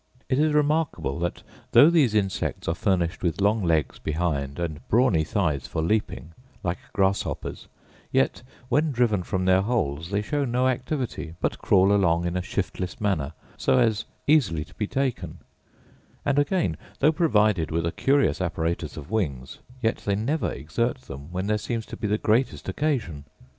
It is remarkable that, though these insects are furnished with long legs behind, and brawny thighs for leaping, like grasshoppers; yet when driven from their holes they show no activity, but crawl along in a shiftless manner, so as easily to be taken: and again, though provided with a curious apparatus of wings, yet they never exert them when there seems to be the greatest occasion.